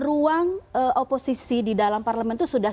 ruang oposisi di dalam parlement itu